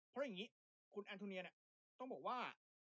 เพราะอย่างงี้ทุกคนเอนทูเนียต้องบอกว่า